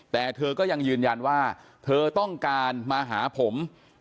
แต่เธอก็ยังยืนยันว่าเธอต้องการมาหาผม